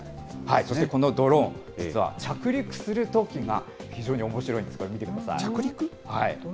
そしてこのドローン、実は着陸するときが、非常におもしろいんです、これ、見てください。